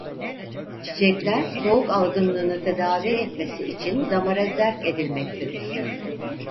Çiçekler soğuk algınlığını tedavi etmesi için damara zerk edilmektedir.